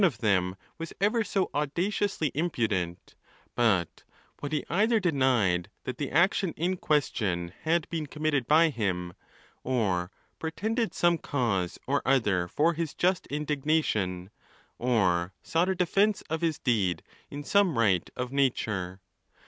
of them was ever so audaciously impudent, but what he either denied that the action in question had been committed by him, or pretended some cause or other for his just indig nation, or sought a defence of his deed in some right of nature.